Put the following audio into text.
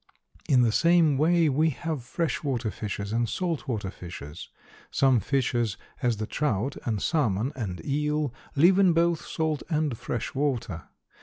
In the same way we have fresh water fishes and salt water fishes; some fishes, as the trout and salmon and eel, live in both salt and fresh water.